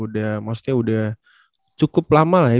udah maksudnya udah cukup lama lah ya